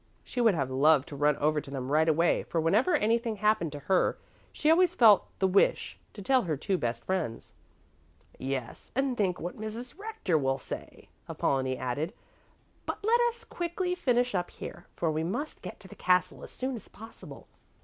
She would have loved to run over to them right away, for whenever anything happened to her she always felt the wish to tell her two best friends. "Yes, and think what Mrs. Rector will say," Apollonie added. "But let us quickly finish up here, for we must get to the castle as soon as possible.